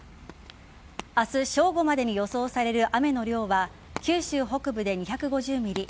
明日正午までに予想される雨の量は九州北部で２５０ｍｍ